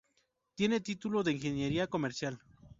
Tiene título de ingeniera comercial.